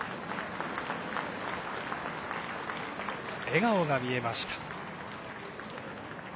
笑顔が見えました。